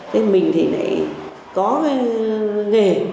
thế mình thì lại có nghề